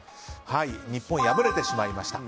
日本、敗れてしまいました。